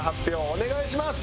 お願いします！